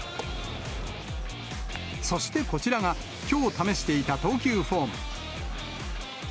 そしてこちらが、きょう試していた投球フォーム。